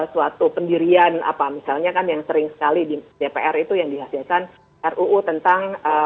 suatu pendirian apa misalnya kan yang sering sekali di dpr itu yang dihasilkan ruu tentang